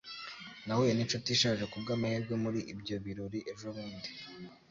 Nahuye ninshuti ishaje kubwamahirwe muri ibyo birori ejobundi.